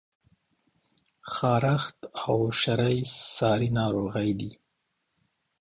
خارښت او شری څاری ناروغی دي؟